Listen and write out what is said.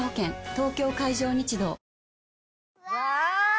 東京海上日動わぁ！